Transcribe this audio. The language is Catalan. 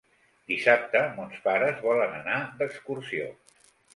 Dissabte mons pares volen anar d'excursió.